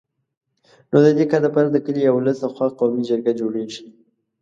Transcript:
نو د دي کار دپاره د کلي یا ولس له خوا قومي جرګه جوړېږي